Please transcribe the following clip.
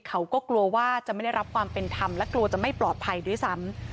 เขาก็กลัวว่าจะไม่ได้รับความเป็นธรรมและกลัวจะไม่ปลอดภัยด้วยซ้ำ